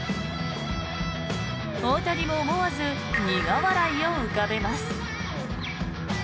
大谷も思わず苦笑いを浮かべます。